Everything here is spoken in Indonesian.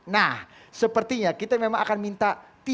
nah sepertinya kita memang akan minta